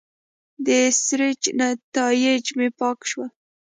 د سرچ نیتایج مې پاک شول.